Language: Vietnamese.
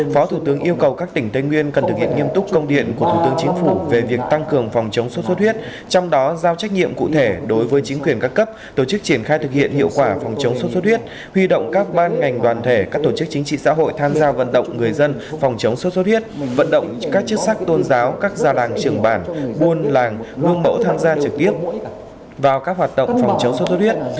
phó thủ tướng yêu cầu các tỉnh tây nguyên cần thực hiện nghiêm túc công điện của thủ tướng chính phủ về việc tăng cường phòng chống xuất xuất huyết trong đó giao trách nhiệm cụ thể đối với chính quyền các cấp tổ chức triển khai thực hiện hiệu quả phòng chống xuất xuất huyết huy động các ban ngành đoàn thể các tổ chức chính trị xã hội tham gia vận động người dân phòng chống xuất xuất huyết vận động các chức sắc tôn giáo các gia làng trường bản buôn làng bương mẫu tham gia trực tiếp vào các hoạt động phòng chống xuất xuất huyết